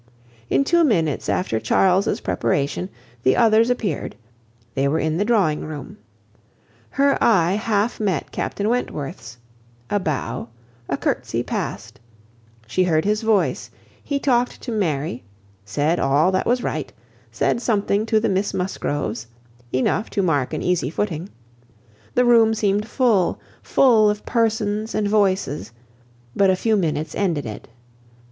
In two minutes after Charles's preparation, the others appeared; they were in the drawing room. Her eye half met Captain Wentworth's, a bow, a curtsey passed; she heard his voice; he talked to Mary, said all that was right, said something to the Miss Musgroves, enough to mark an easy footing; the room seemed full, full of persons and voices, but a few minutes ended it.